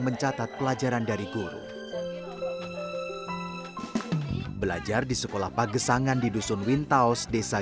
mencatat pelajaran dari guru belajar di sekolah pagesangan di dusun wintaos desa